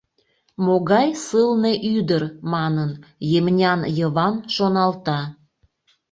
Могай сылне ӱдыр! — манын, Емнян Йыван шоналта.